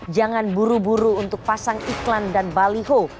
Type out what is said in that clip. jangan buru buru untuk pasang iklan dan baliho